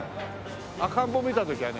赤ん坊を見た時はね